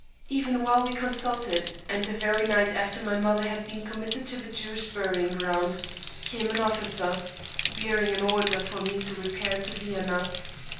Even while we consulted, and the very night after my mother had been committed to the Jewish burying ground, came an officer, bearing an order for me to repair to Vienna.